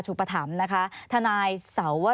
มีความรู้สึกว่ามีความรู้สึกว่า